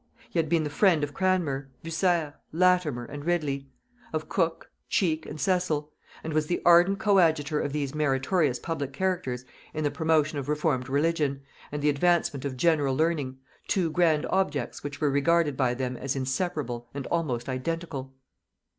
He had been the friend of Cranmer, Bucer, Latimer, and Ridley; of Cook, Cheke, and Cecil; and was the ardent coadjutor of these meritorious public characters in the promotion of reformed religion, and the advancement of general learning, two grand objects, which were regarded by them as inseparable and almost identical.